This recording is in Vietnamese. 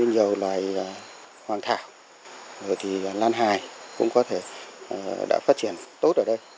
nhiều loài hoàng thảo lan hài cũng có thể đã phát triển tốt ở đây